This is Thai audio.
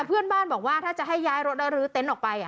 แต่เพื่อนบ้านบอกว่าถ้าจะให้ย้ายรถอ่ะหรือเต็นต์ออกไปอ่ะ